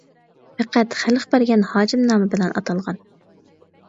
پەقەت خەلق بەرگەن ھاجىم نامى بىلەن ئاتالغان.